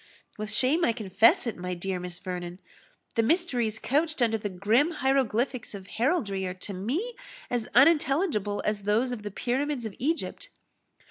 "With shame I confess it, my dear Miss Vernon, the mysteries couched under the grim hieroglyphics of heraldry are to me as unintelligible as those of the pyramids of Egypt."